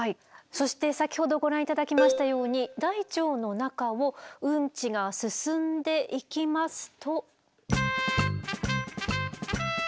そして先ほどご覧頂きましたように大腸の中をウンチが進んでいきますと。